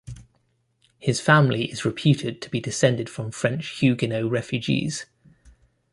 His family is reputed to be descended from French Huguenot refugees.